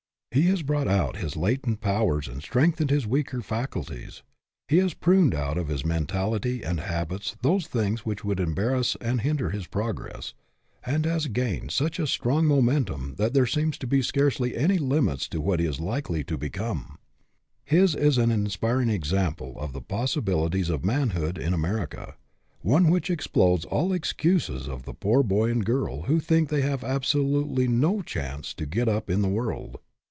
He has brought out his latent powers and strengthened his weaker faculties. He has pruned out of his mentality and habits those things which would embarrass and hin der his progress, and has gained such a strong momentum that there seems to be scarcely any limits to what he is likely to become. His is an inspiring example of the possibilities of manhood in America, one which explodes all excuses of the poor boy and girl who think they have absolutely no chance to get up in the world.